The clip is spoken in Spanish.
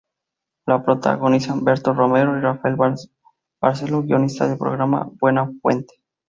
La protagonizan Berto Romero y Rafael Barceló, guionista del programa "Buenafuente".